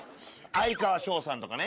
哀川翔さんとかね